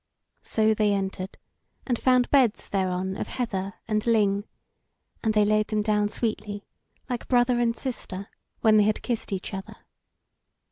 So they entered, and found beds thereon of heather and ling, and they laid them down sweetly, like brother and sister, when they had kissed each other.